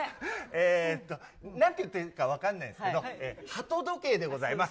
えーっと、なんて言ってるか分かんないですけど、鳩時計でございます。